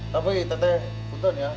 tapi teh puton ya